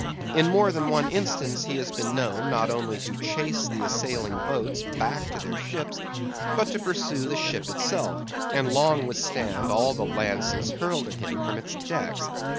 In more than one instance, he has been known, not only to chase the assailing boats back to their ships, but to pursue the ship itself, and long withstand all the lances hurled at him from its decks.